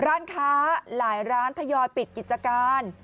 ร้านค้าหลายร้านทยอยปิดกิจการ